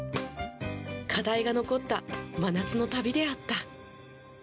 課題が残った真夏の旅であった。